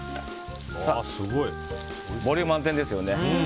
ボリューム満点ですよね。